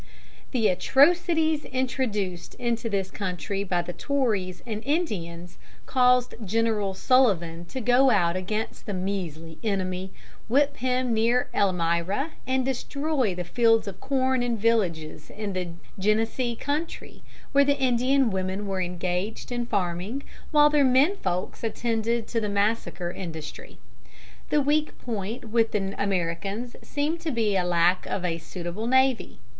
The atrocities introduced into this country by the Tories and Indians caused General Sullivan to go out against the measly enemy, whip him near Elmira, and destroy the fields of corn and villages in the Genesee country, where the Indian women were engaged in farming while their men folks attended to the massacre industry. The weak point with the Americans seemed to be lack of a suitable navy.